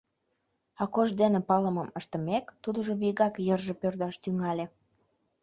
Акош дене палымым ыштымек, тудыжо вигак йырже пӧрдаш тӱҥале.